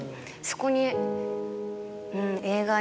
そこに。